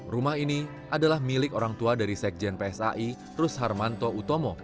rumah ini adalah milik orang tua dari sekjen psai rus harmanto utomo